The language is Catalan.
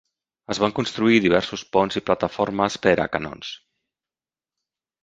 Es van construir diversos ponts i plataformes per a canons.